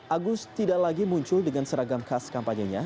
agus tidak lagi muncul dengan seragam khas kampanyenya